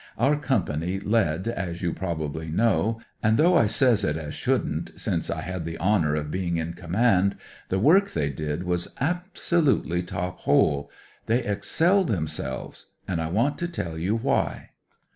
Our Company led, as you probably know, and though I says it as shouldn't, since I had the honour of being in command, the work they did was abso NEWS FOR HOME O.C. COMPANY 145 lutely top hole — ^they excelled themselves, and I want to tell you why.